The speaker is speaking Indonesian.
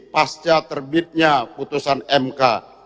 pasca terbitnya putusan mk